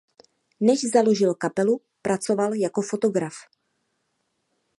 Než založil kapelu pracoval jako fotograf.